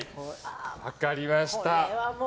分かりました。